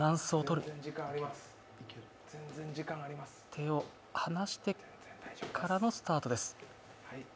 手を離してからのスタートです。